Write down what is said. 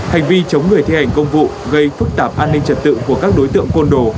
hành vi chống người thi hành công vụ gây phức tạp an ninh trật tự của các đối tượng côn đồ